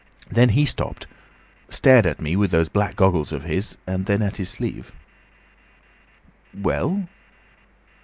Then he stopped. Stared at me with those black goggles of his, and then at his sleeve." "Well?"